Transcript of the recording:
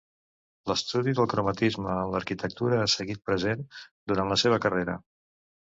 L'estudi del cromatisme en l'arquitectura ha seguit present durant la seva carrera.